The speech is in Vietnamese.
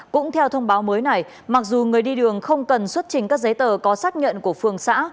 cũng theo thông báo mới này mặc dù người đi đường không cần xuất trình các giấy tờ có xác nhận của phường xã